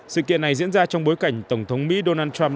sự kiện này diễn ra trong bối cảnh tổng thống mỹ donald trump